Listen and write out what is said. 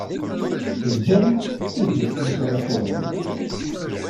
D Bell ay d-yesnulfan asawal.